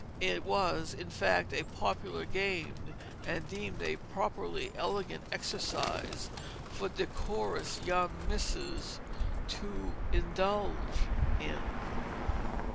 It was, in fact, a popular game, and deemed a properly elegant exercise for decorous young misses to indulge in.